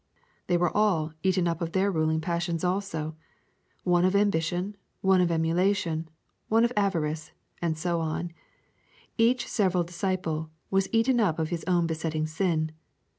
They were all eaten up of their ruling passions also. One of ambition, one of emulation, one of avarice, and so on, each several disciple was eaten up of his own besetting sin.